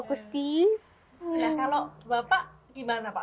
ya kalau bapak gimana pak